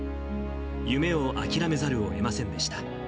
夢を諦めざるをえませんでした。